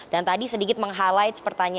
dan tadi sedikit meng highlight